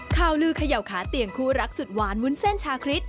ข่าวลือเขย่าขาเตียงคู่รักสุดหวานวุ้นเส้นชาคริส